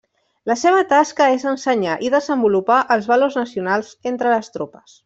La seva tasca és ensenyar i desenvolupar els valors nacionals entre les tropes.